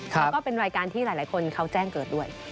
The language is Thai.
แล้วก็เป็นรายการที่หลายคนเขาแจ้งเกิดด้วย